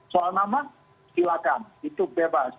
soal nama silakan itu bebas